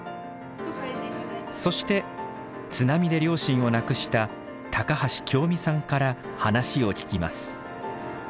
そして津波で両親を亡くした橋匡美さんから話を聞きます。